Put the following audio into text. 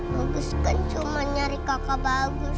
bagus kan cuma nyari kakak bagus